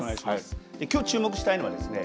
きょう注目したいのはですね